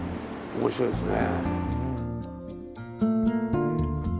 面白いですね。